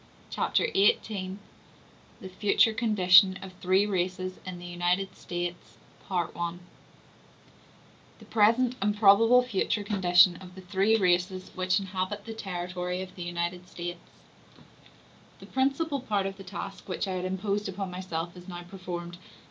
Chapter XVIII: Future Condition Of Three Races In The United States—Part I The Present And Probable Future Condition Of The Three Races Which Inhabit The Territory Of The United States The principal part of the task which I had imposed upon myself is now performed.